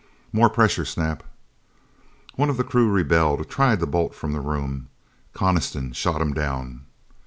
"More pressure, Snap." One of the crew rebelled, tried to bolt from the room. Coniston shot him down.